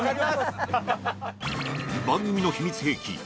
番組の秘密兵器